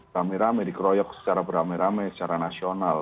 rame rame dikeroyok secara berame rame secara nasional